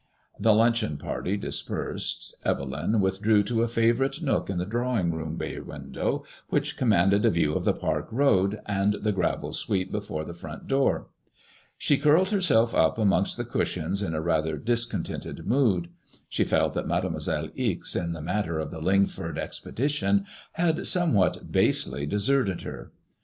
The luncheon party dispersed. Evelyn withdrew to a favourite nook in the drawing room bay window, which commanded a view of the Park Road, and the gravel sweep before the front door. She curled herself up amongst the cushions in a rather discontented mood. She felt that Mademoiselle Ixe in the matter of the Lingford ex pedition had somewhat basely deserted her.